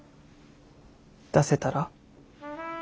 出せたら？